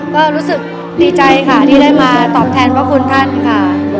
ก็รู้สึกดีใจค่ะที่ได้มาตอบแทนพระคุณท่านค่ะ